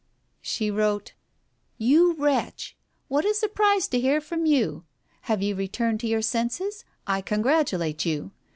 She wrote —" You wretch ! What a surprise to hear from you ! Have you returned to your senses? I congratulate you.